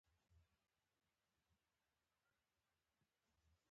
مچمچۍ هیڅکله خیانت نه کوي